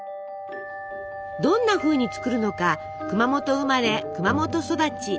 どんなふうに作るのか熊本生まれ熊本育ち。